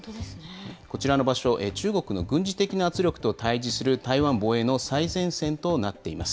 こちらの場所、中国の軍事的な圧力と対じする台湾防衛の最前線となっています。